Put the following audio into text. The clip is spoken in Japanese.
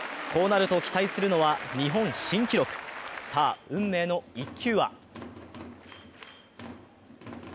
こうなると期待するのは、日本新記録。さあ、運命の１球は？